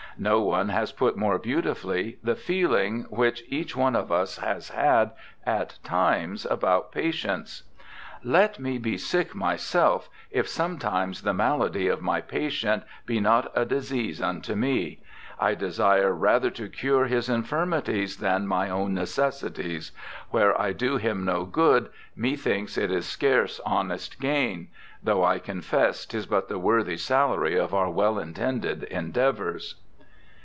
No one has put more beautifully the feehng which each one of us has had at times about patients :' Let me be sick myself, if sometimes the malady of my patient be not a disease unto me ; I desire rather to cure his infirmities than my own necessities ; where I do him no good, methinks it is scarce honest gain ; though I confess 'tis but the worthy salary of our well intended endeavours.'